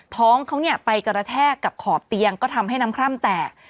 ท้องเขาเนี่ยไปกระแทกกับขอบเตียงก็ทำให้น้ำคร่ำแตก